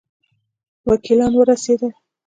وکیلان ورسېدل.